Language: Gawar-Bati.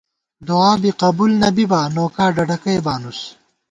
دُعابی قبُول نہ بِبا نوکا ڈڈَکئ بانُوس